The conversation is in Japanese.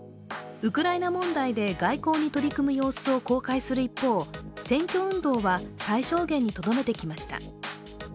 ウクライナ問題で外交に取り組む様子を公開する一方、選挙運動は最小限にとどめてきました。